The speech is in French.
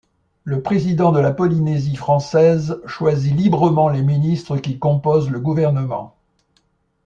Le président de la Polynésie française choisit librement les ministres qui composent le gouvernement.